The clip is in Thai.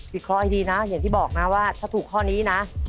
เคราะห์ให้ดีนะอย่างที่บอกนะว่าถ้าถูกข้อนี้นะ